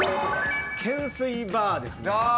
懸垂バーです。